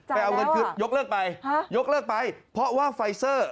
จ่ายแล้วอ่ะยกเลิกไปเพราะว่าไฟซัร